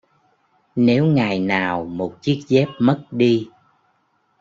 Nếu ngày nào một chiếc dép mất đi